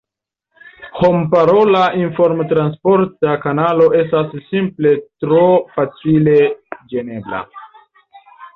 Homparola informtransporta kanalo estas simple tro facile ĝenebla.